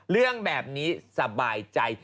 เรื่องแบบนี้สบายใจ